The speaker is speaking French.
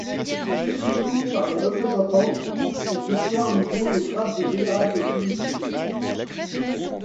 Soutenu par les représentants, cette victoire lui vaut le grade de général de division.